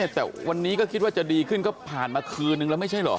แต่วันนี้ก็คิดว่าจะดีขึ้นก็ผ่านมาคืนนึงแล้วไม่ใช่เหรอ